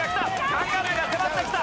カンガルーが迫ってきた。